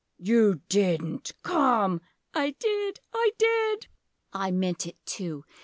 You didn't Come! I did I did! I meant it too.